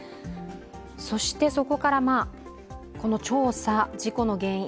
そしてそこから調査、事故の原因